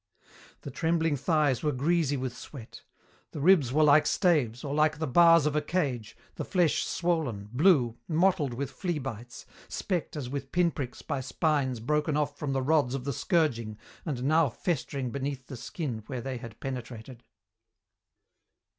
The trembling thighs were greasy with sweat. The ribs were like staves, or like the bars of a cage, the flesh swollen, blue, mottled with flea bites, specked as with pin pricks by spines broken off from the rods of the scourging and now festering beneath the skin where they had penetrated.